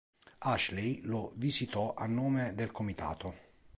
Ashley lo visitò a nome del comitato.